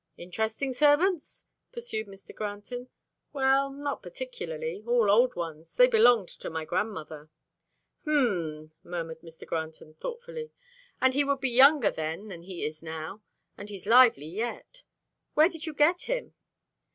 "Interesting servants?" pursued Mr. Granton. "Well, not particularly. All old ones they belonged to my grandmother." "H'm," murmured Mr. Granton thoughtfully, "and he would be younger then than he is now, and he's lively yet. Where did you get him?"